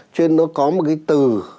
cho nên nó có một cái từ